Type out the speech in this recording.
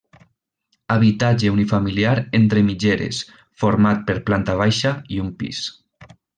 Habitatge unifamiliar entre mitgeres, format per planta baixa i un pis.